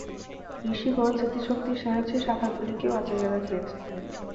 ঋষিগণ স্মৃতিশক্তির সাহায্যে শাখাগুলিকে বাঁচাইয়া রাখিয়াছেন।